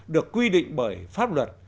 được quy định bởi pháp luật